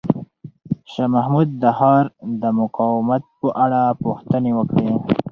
شاه محمود د ښار د مقاومت په اړه پوښتنې وکړې.